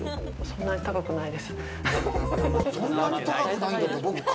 そんなに高くないです。